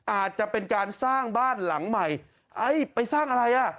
อาจจะเป็นการสร้างบ้านหลังใหม่เอ้ยไปสร้างอะไรอ่ะ